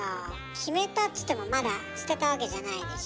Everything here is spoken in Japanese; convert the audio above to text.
決めたっつってもまだ捨てたわけじゃないでしょ